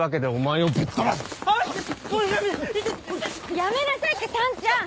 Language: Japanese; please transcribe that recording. やめなさいってさんちゃん！